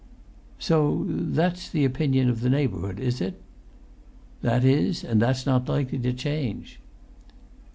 "So that's the opinion of the neighbourhood, is it?" "That is, and that's not likely to change."